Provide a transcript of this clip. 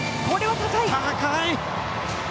高い！